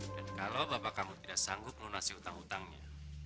dan kalau bapak kamu tidak sanggup menonasi hutang hutangnya